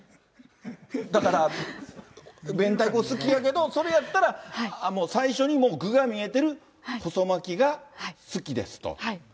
だから明太子好きやけど、それやったら、もう最初にもう具が見えてる細巻きが好きですと。